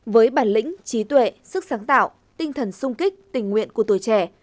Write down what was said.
với bản lĩnh trí tuệ sức sáng tạo tinh thần sung kích tình nguyện của tuổi trẻ